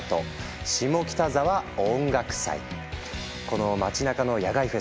この街なかの野外フェス